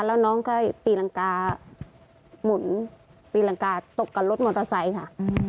แล้วน้องก็ปีนังกาหมุนตีรังกาตกกับรถมอเตอร์ไซค์ค่ะ